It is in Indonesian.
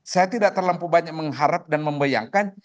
saya tidak terlampau banyak mengharap dan membayangkan